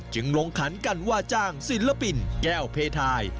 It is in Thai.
จึงลงขันกันว่าจ้างศิลปินแก้วเพทาย